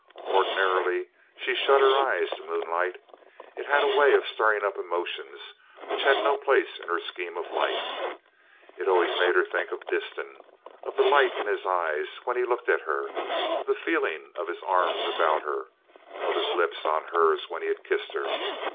Ordinarily, she shut her eyes to moonlight, it had a way of stirring up emotions which had no place in her scheme of life. It always made her think of Disston, of the light in his eyes when he had looked at her, of the feeling of his arms about her, of his lips on hers when he had kissed her.